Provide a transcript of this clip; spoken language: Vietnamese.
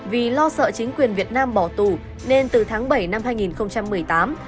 vì lo sợ chính quyền việt nam bỏ tù nên từ tháng bảy năm hai nghìn một mươi tám